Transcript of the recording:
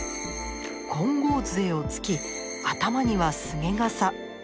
金剛杖をつき頭には菅笠。